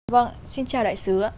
vâng xin chào đại sứ